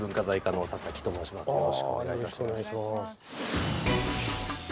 よろしくお願いします。